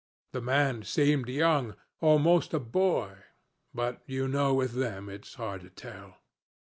The man seemed young almost a boy but you know with them it's hard to tell.